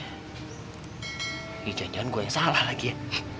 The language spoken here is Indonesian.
eh jangan jangan gua yang salah lagi ya